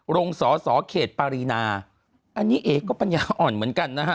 สอสอเขตปารีนาอันนี้เอกก็ปัญญาอ่อนเหมือนกันนะฮะ